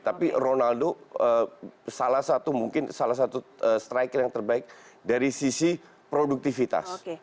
tapi ronaldo salah satu mungkin salah satu striker yang terbaik dari sisi produktivitas